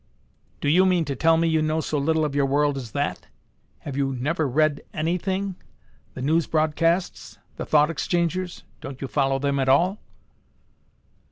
"Do you mean to tell me you know so little of your world as that? Have you never read anything? The news broadcasts, the thought exchangers don't you follow them at all?"